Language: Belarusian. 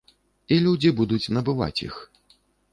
І людзі будуць набываць іх.